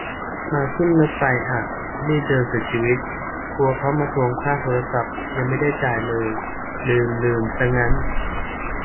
มาขึ้นรถไฟฟ้าอ่ะ รีบเดินสุดชีวิต กลัวเค้ามาทวงค่าโทรศัพท์ ยังไม่ได้จ่ายเลย ลืม ลืมซะงั้น